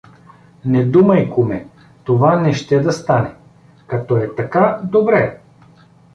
— Не думай, куме… Това не ще да стане… — Като е така, добре.